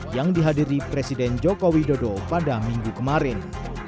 yang dihadiri presiden jokowi dodo pada minggu kemarin